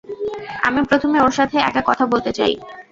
আমি প্রথমে ওর সাথে একা কথা বলতে চাই।